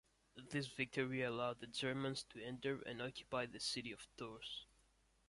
This victory allowed the Germans to enter and occupy the city of Tours.